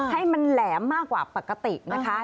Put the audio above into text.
ให้มันแหลมมากกว่าปกตินะคะ